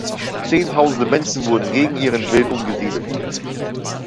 Zehntausende Menschen wurden gegen ihren Willen umgesiedelt.